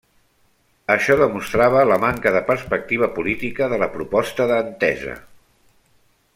Això demostrava la manca de perspectiva política de la proposta d'Entesa.